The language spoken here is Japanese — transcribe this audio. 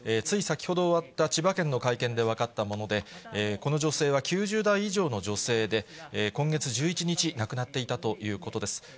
つい先ほど終わった千葉県の会見で分かったもので、この女性は９０代以上の女性で、今月１１日、亡くなっていたということです。